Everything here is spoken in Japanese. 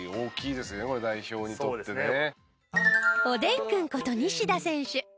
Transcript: おでんくんこと西田選手。